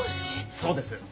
そうです。